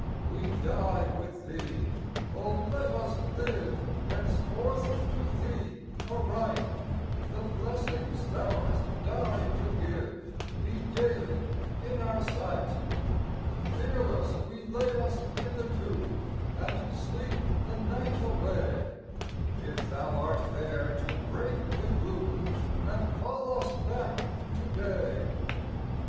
We die with Thee : oh, let us live Henceforth to Thee aright ! The blessings Thou hast died to give Be daily in our sight. Fearless we lay us in the tomb, And sleep the night away, If Thou art there to break the gloom, And call us back to day.